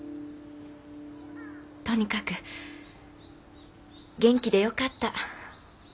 とにかく元気でよかった。